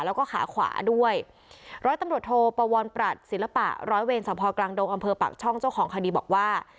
แล้วก็ขาขวาด้วยร้อยตำรวจโทปวรปรัชศิลปะร้อยเวรสภกลางดงอำเภอปากช่องเจ้าของคดีบอกว่า